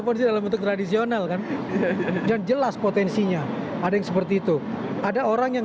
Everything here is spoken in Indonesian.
kondisi dalam bentuk tradisional kan dan jelas potensinya ada yang seperti itu ada orang yang